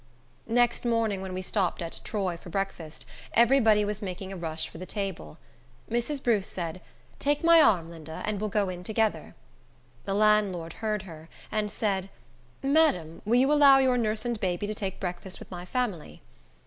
Next morning, when we stopped at Troy for breakfast, every body was making a rush for the table. Mrs. Bruce said, "Take my arm, Linda, and we'll go in together." The landlord heard her, and said, "Madam, will you allow your nurse and baby to take breakfast with my family?"